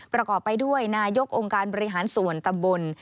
ประกอบไปด้วยนายกองค์การบริหารส่วนตำบล